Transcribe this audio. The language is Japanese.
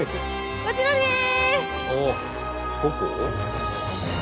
こちらです！